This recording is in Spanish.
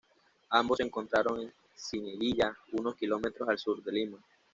Ambos se encontraron en Cieneguilla, unos km al sur de Lima.